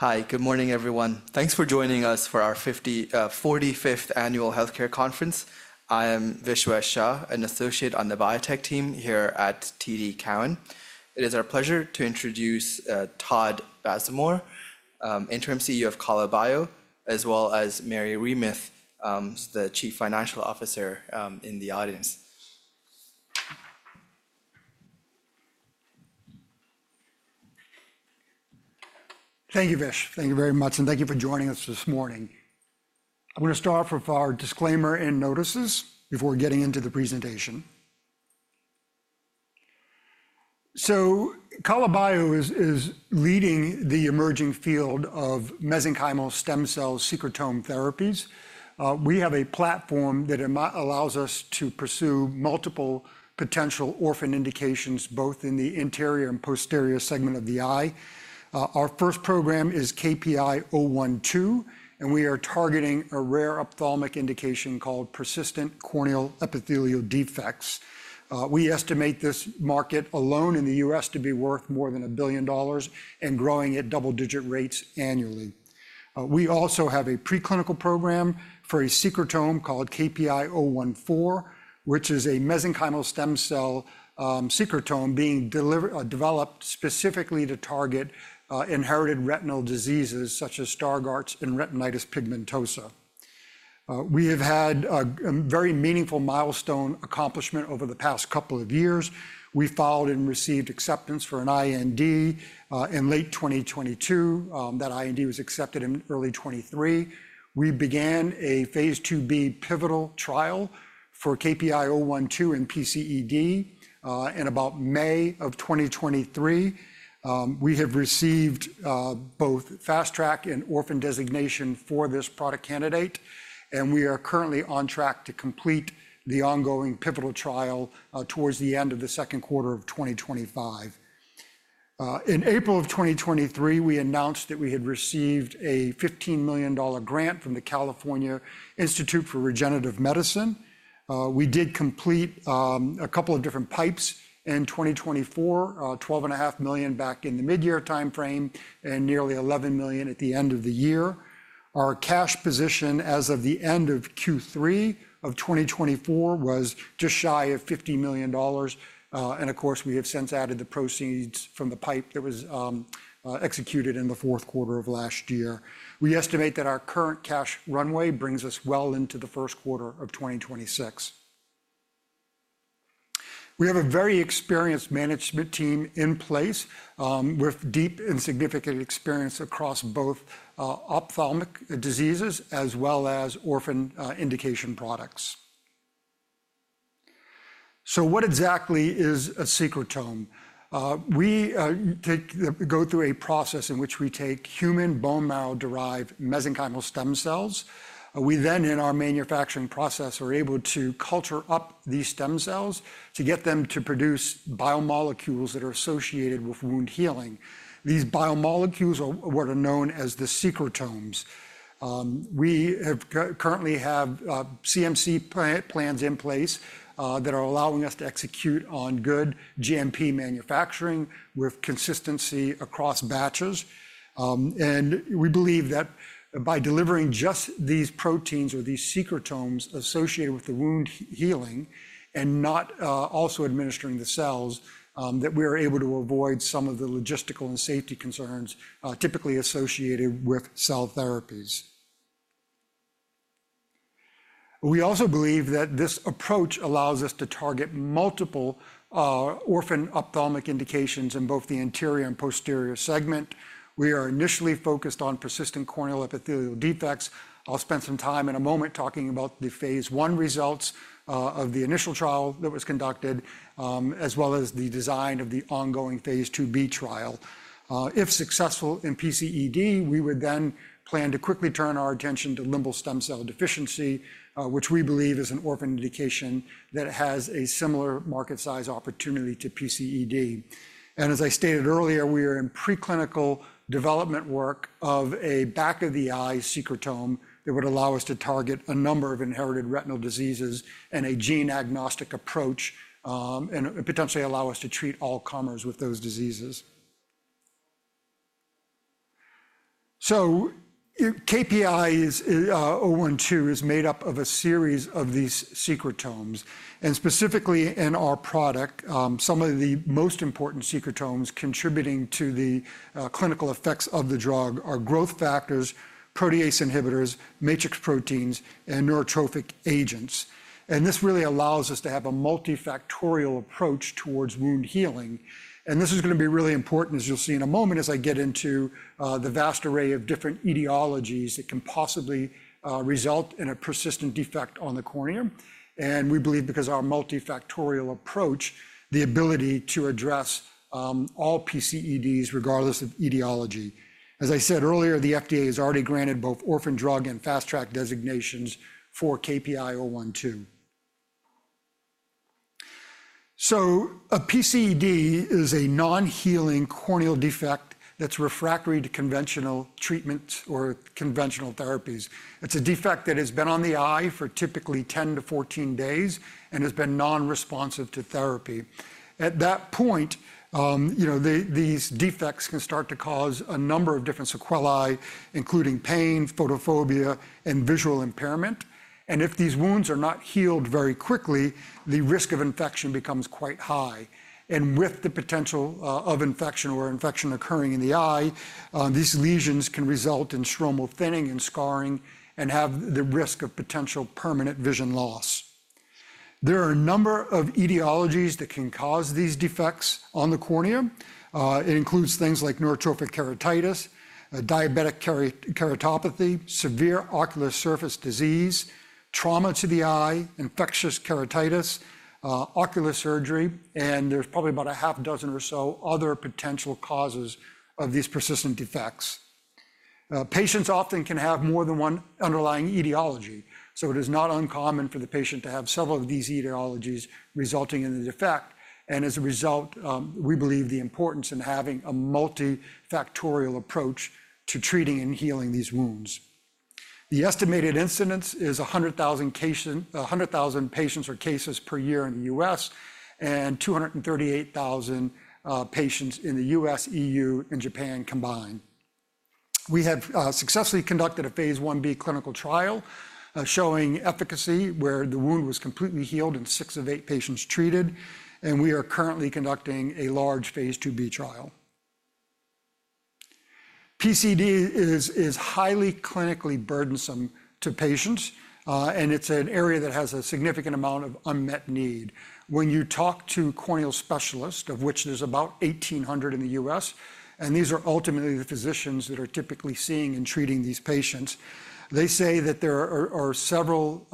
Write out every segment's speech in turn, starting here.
Hi, good morning, everyone. Thanks for joining us for our 45th Annual Healthcare Conference. I am Vishwesh Shah, an associate on the biotech team here at TD Cowen. It is our pleasure to introduce Todd Bazemore, Interim CEO of KALA BIO, as well as Mary Reumuth, the Chief Financial Officer in the audience. Thank you, Vish. Thank you very much, and thank you for joining us this morning. I'm going to start off with our disclaimer and notices before getting into the presentation. KALA BIO is leading the emerging field of mesenchymal stem cell secretome therapies. We have a platform that allows us to pursue multiple potential orphan indications, both in the anterior and posterior segment of the eye. Our first program is KPI-012, and we are targeting a rare ophthalmic indication called persistent corneal epithelial defects. We estimate this market alone in the US to be worth more than $1 billion and growing at double-digit rates annually. We also have a preclinical program for a secretome called KPI-014, which is a mesenchymal stem cell secretome being developed specifically to target inherited retinal diseases such as Stargardt's and retinitis pigmentosa. We have had a very meaningful milestone accomplishment over the past couple of years. We filed and received acceptance for an IND in late 2022. That IND was accepted in early 2023. We began a Phase IIb pivotal trial for KPI-012 and PCED in about May of 2023. We have received both Fast Track and orphan designation for this product candidate, and we are currently on Track to complete the ongoing pivotal trial towards the end of the second quarter of 2025. In April of 2023, we announced that we had received a $15 million grant from the California Institute for Regenerative Medicine. We did complete a couple of different PIPEs in 2024, $12.5 million back in the mid-year timeframe and nearly $11 million at the end of the year. Our cash position as of the end of Q3 of 2024 was just shy of $50 million. Of course, we have since added the proceeds from the PIPE that was executed in the fourth quarter of last year. We estimate that our current cash runway brings us well into the first quarter of 2026. We have a very experienced management team in place with deep and significant experience across both ophthalmic diseases as well as orphan indication products. What exactly is a secretome? We go through a process in which we take human bone marrow-derived mesenchymal stem cells. We then, in our manufacturing process, are able to culture up these stem cells to get them to produce biomolecules that are associated with wound healing. These biomolecules are what are known as the secretomes. We currently have CMC plans in place that are allowing us to execute on good GMP manufacturing with consistency across batches. We believe that by delivering just these proteins or these secretomes associated with the wound healing and not also administering the cells, we are able to avoid some of the logistical and safety concerns typically associated with cell therapies. We also believe that this approach allows us to target multiple orphan ophthalmic indications in both the anterior and posterior segment. We are initially focused on persistent corneal epithelial defects. I'll spend some time in a moment talking about the Phase I results of the initial trial that was conducted, as well as the design of the ongoing Phase IIb trial. If successful in PCED, we would then plan to quickly turn our attention to limbal stem cell deficiency, which we believe is an orphan indication that has a similar market size opportunity to PCED. As I stated earlier, we are in preclinical development work of a back-of-the-eye secretome that would allow us to target a number of inherited retinal diseases in a gene-agnostic approach and potentially allow us to treat all comers with those diseases. KPI-012 is made up of a series of these Secretomes. Specifically in our product, some of the most important secretomes contributing to the clinical effects of the drug are growth factors, protease inhibitors, matrix proteins, and neurotrophic agents. This really allows us to have a multifactorial approach towards wound healing. This is going to be really important, as you'll see in a moment as I get into the vast array of different etiologies that can possibly result in a persistent defect on the cornea. We believe, because of our multifactorial approach, in the ability to address all PCEDs regardless of etiology. As I said earlier, the FDA has already granted both orphan drug and fast track designations for KPI-012. A PCED is a non-healing corneal defect that's refractory to conventional treatments or conventional therapies. It's a defect that has been on the eye for typically 10 to 14 days and has been non-responsive to therapy. At that point, these defects can start to cause a number of different sequelae, including pain, photophobia, and visual impairment. If these wounds are not healed very quickly, the risk of infection becomes quite high. With the potential of infection or infection occurring in the eye, these lesions can result in stromal thinning and scarring and have the risk of potential permanent vision loss. There are a number of etiologies that can cause these defects on the cornea. It includes things like neurotrophic keratitis, diabetic keratopathy, severe ocular surface disease, trauma to the eye, infectious keratitis, ocular surgery, and there's probably about a half dozen or so other potential causes of these persistent defects. Patients often can have more than one underlying etiology. It is not uncommon for the patient to have several of these etiologies resulting in the defect. As a result, we believe the importance in having a multifactorial approach to treating and healing these wounds. The estimated incidence is 100,000 patients or cases per year in the US and 238,000 patients in the US, EU, and Japan combined. We have successfully conducted a Phase Ib clinical trial showing efficacy where the wound was completely healed in six of eight patients treated. We are currently conducting a large Phase IIb trial. PCED is highly clinically burdensome to patients, and it's an area that has a significant amount of unmet need. When you talk to corneal specialists, of which there's about 1,800 in the US, and these are ultimately the physicians that are typically seeing and treating these patients, they say that there are several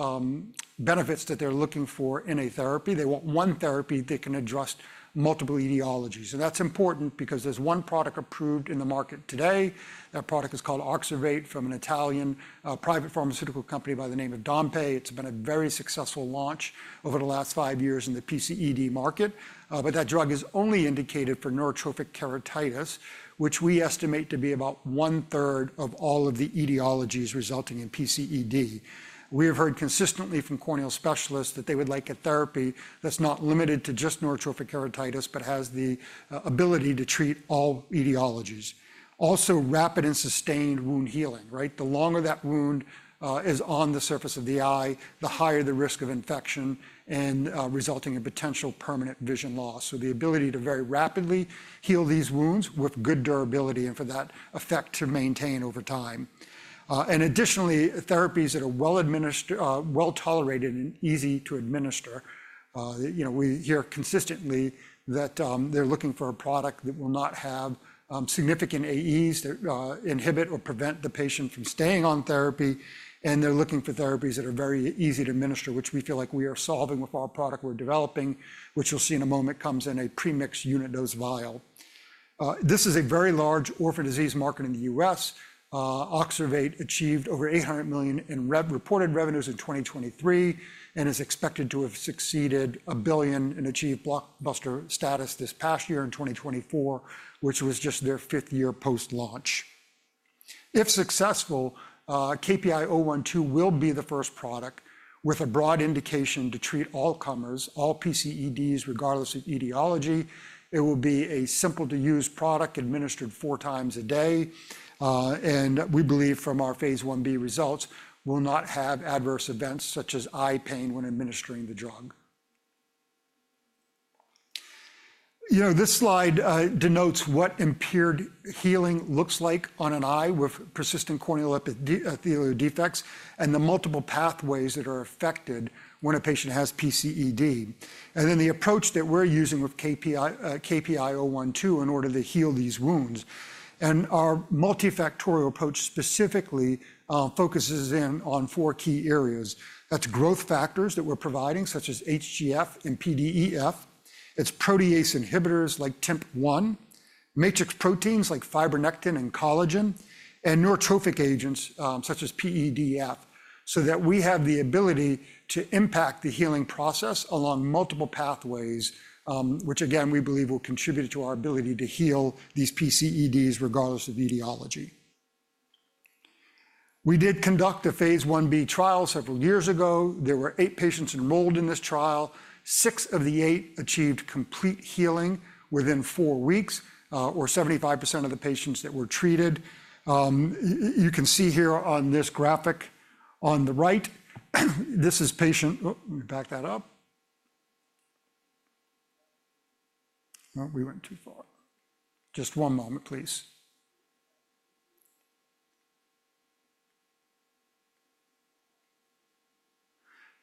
benefits that they're looking for in a therapy. They want one therapy that can address multiple etiologies. That is important because there's one product approved in the market today. That product is called Oxervate from an Italian private pharmaceutical company by the name of Dompé. It's been a very successful launch over the last five years in the PCED market. That drug is only indicated for neurotrophic keratitis, which we estimate to be about one-third of all of the etiologies resulting in PCED. We have heard consistently from corneal specialists that they would like a therapy that's not limited to just neurotrophic keratitis, but has the ability to treat all etiologies. Also, rapid and sustained wound healing, right? The longer that wound is on the surface of the eye, the higher the risk of infection and resulting in potential permanent vision loss. The ability to very rapidly heal these wounds with good durability and for that effect to maintain over time. Additionally, therapies that are well-administered, well-tolerated, and easy to administer. We hear consistently that they're looking for a product that will not have significant AEs that inhibit or prevent the patient from staying on therapy. They are looking for therapies that are very easy to administer, which we feel like we are solving with our product we are developing, which you will see in a moment comes in a premixed unit dose vial. This is a very large orphan disease market in the US. Oxervate achieved over $800 million in reported revenues in 2023 and is expected to have succeeded $1 billion and achieved blockbuster status this past year in 2024, which was just their fifth year post-launch. If successful, KPI-012 will be the first product with a broad indication to treat all comers, all PCEDs, regardless of etiology. It will be a simple-to-use product administered four times a day. We believe from our Phase Ib results, we will not have adverse events such as eye pain when administering the drug. This slide denotes what impaired healing looks like on an eye with persistent corneal epithelial defects and the multiple pathways that are affected when a patient has PCED. The approach that we're using with KPI-012 in order to heal these wounds, and our multifactorial approach specifically focuses in on four key areas. That's growth factors that we're providing, such as HGF and PEDF. It's protease inhibitors like TIMP-1, matrix proteins like fibronectin and collagen, and neurotrophic agents such as PEDF, so that we have the ability to impact the healing process along multiple pathways, which again, we believe will contribute to our ability to heal these PCEDs regardless of etiology. We did conduct a Phase Ib trial several years ago. There were eight patients enrolled in this trial. Six of the eight achieved complete healing within four weeks, or 75% of the patients that were treated. You can see here on this graphic on the right, this is patient—let me back that up. We went too far. Just one moment, please.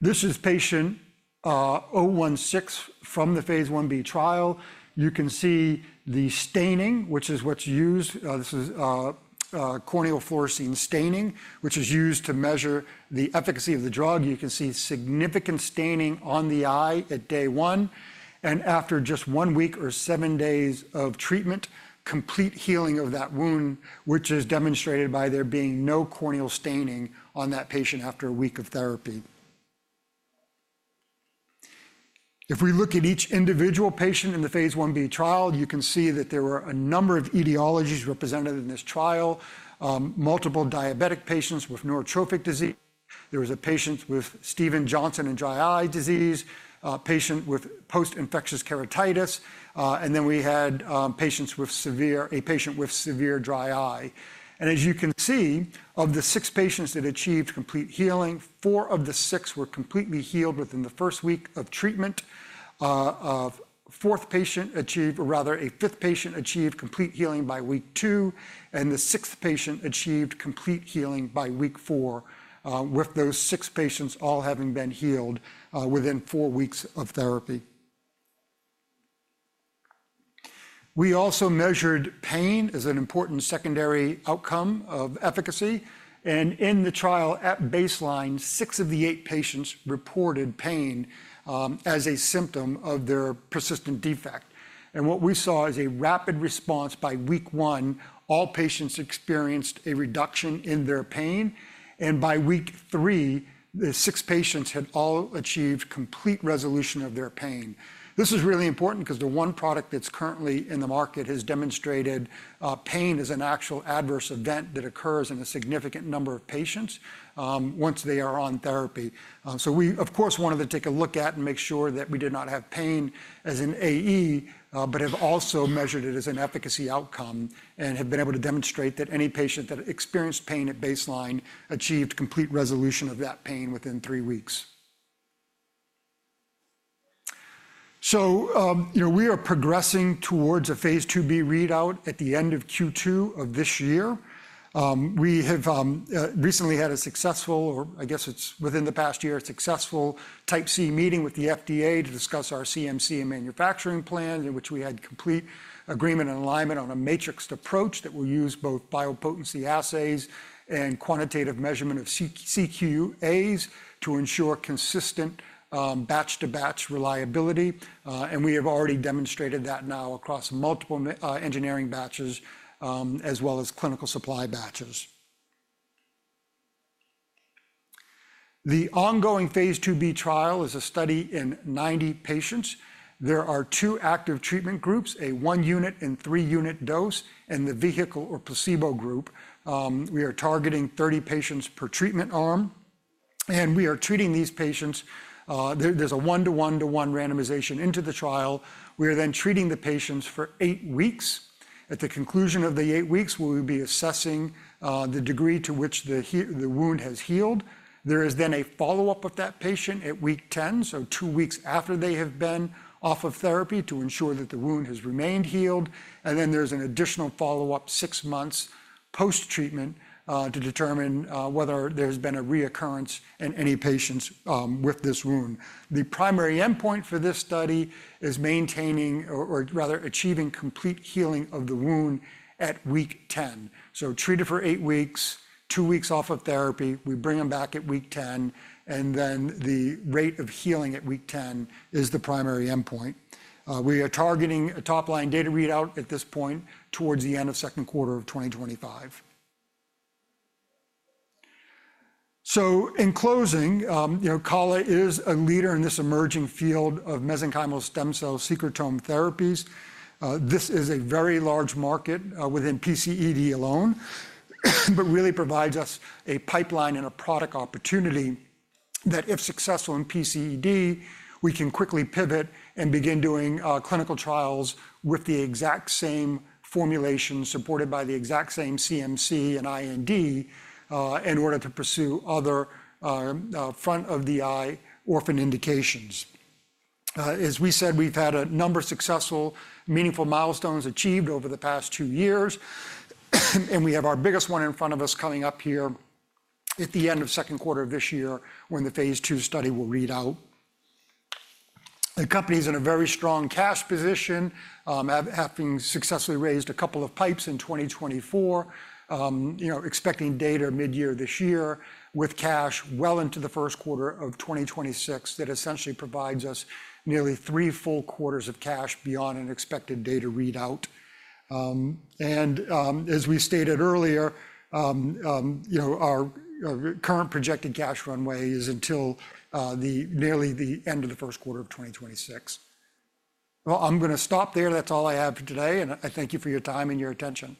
This is patient 016 from the Phase Ib trial. You can see the staining, which is what's used. This is corneal fluorescein staining, which is used to measure the efficacy of the drug. You can see significant staining on the eye at day one. After just one week or seven days of treatment, complete healing of that wound, which is demonstrated by there being no corneal staining on that patient after a week of therapy. If we look at each individual patient in the Phase Ib trial, you can see that there were a number of etiologies represented in this trial. Multiple diabetic patients with neurotrophic disease. There was a patient with Stevens-Johnson and dry eye disease, a patient with post-infectious keratitis. We had a patient with severe dry eye. As you can see, of the six patients that achieved complete healing, four of the six were completely healed within the first week of treatment. A fifth patient achieved complete healing by week two. The sixth patient achieved complete healing by week four, with those six patients all having been healed within four weeks of therapy. We also measured pain as an important secondary outcome of efficacy. In the trial at baseline, six of the eight patients reported pain as a symptom of their persistent defect. What we saw is a rapid response by week one. All patients experienced a reduction in their pain. By week three, the six patients had all achieved complete resolution of their pain. This is really important because the one product that's currently in the market has demonstrated pain as an actual adverse event that occurs in a significant number of patients once they are on therapy. We, of course, wanted to take a look at and make sure that we did not have pain as an AE, but have also measured it as an efficacy outcome and have been able to demonstrate that any patient that experienced pain at baseline achieved complete resolution of that pain within three weeks. We are progressing towards a phase IIb readout at the end of Q2 of this year. We have recently had a successful, or I guess it's within the past year, a successful Type C meeting with the FDA to discuss our CMC and manufacturing plan, in which we had complete agreement and alignment on a matrixed approach that will use both biopotency assays and quantitative measurement of CQAs to ensure consistent batch-to-batch reliability. We have already demonstrated that now across multiple engineering batches, as well as clinical supply batches. The ongoing Phase IIb trial is a study in 90 patients. There are two active treatment groups, a one-unit and three-unit dose, and the vehicle or placebo group. We are targeting 30 patients per treatment arm. We are treating these patients. There is a one-to-one-to-one randomization into the trial. We are then treating the patients for eight weeks. At the conclusion of the eight weeks, we will be assessing the degree to which the wound has healed. There is then a follow-up with that patient at week 10, two weeks after they have been off of therapy to ensure that the wound has remained healed. There is an additional follow-up six months post-treatment to determine whether there has been a reoccurrence in any patients with this wound. The primary endpoint for this study is maintaining, or rather achieving, complete healing of the wound at week 10. Treated for eight weeks, two weeks off of therapy, we bring them back at week 10. The rate of healing at week 10 is the primary endpoint. We are targeting a top-line data readout at this point towards the end of second quarter of 2025. In closing, KALA is a leader in this emerging field of mesenchymal stem cell secretome therapies. This is a very large market within PCED alone, but really provides us a pipeline and a product opportunity that, if successful in PCED, we can quickly pivot and begin doing clinical trials with the exact same formulation supported by the exact same CMC and IND in order to pursue other front-of-the-eye orphan indications. As we said, we've had a number of successful, meaningful milestones achieved over the past two years. We have our biggest one in front of us coming up here at the end of second quarter of this year when the Phase II study will readout. The company is in a very strong cash position, having successfully raised a couple of pipes in 2024, expecting data mid-year this year with cash well into the first quarter of 2026. That essentially provides us nearly three full quarters of cash beyond an expected data readout. As we stated earlier, our current projected cash runway is until nearly the end of the first quarter of 2026. I'm going to stop there. That's all I have for today. I thank you for your time and your attention.